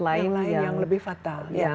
lain yang lebih fatal